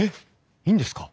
いいんですか？